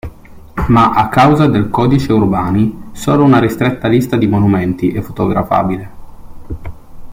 Ma a causa del Codice Urbani solo una ristretta lista di monumenti è fotografabile.